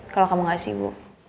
kalo kamu gak sibuk